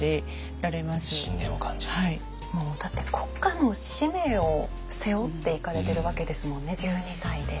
もうだって国家の使命を背負って行かれてるわけですもんね１２歳で。